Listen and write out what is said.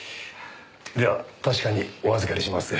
では確かにお預かりします。